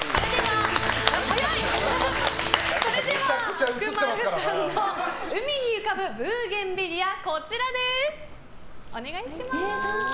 それでは、福丸さんの海に浮かぶブーゲンビリアこちらです！